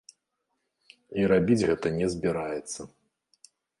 І рабіць гэта не збіраецца.